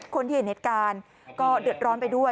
คนที่เห็นเหตุการณ์ก็เดือดร้อนไปด้วย